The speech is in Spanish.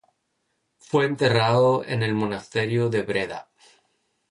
Fue enterrado en el monasterio de Breda.